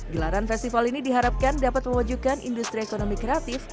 gelaran festival ini diharapkan dapat mewujudkan industri ekonomi kreatif